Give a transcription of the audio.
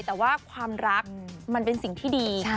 แต่ว่าความรักมันเป็นสิ่งที่ดี